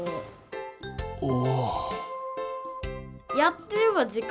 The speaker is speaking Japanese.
お。